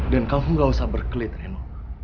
dan kamu gak usah berkelit reno